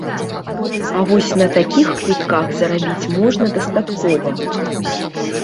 А вось на такіх квітках зарабіць можна дастаткова.